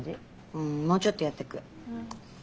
うんもうちょっとやってく。